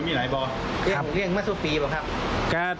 มีหลายบอร์เรียงเมื่อสุดปีเหรอครับ